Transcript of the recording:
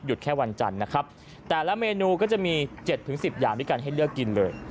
แค่วันจันทร์นะครับแต่ละเมนูก็จะมี๗๑๐อย่างด้วยกันให้เลือกกินเลย